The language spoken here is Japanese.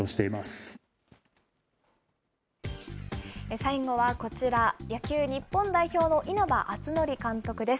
最後はこちら、野球日本代表の稲葉篤紀監督です。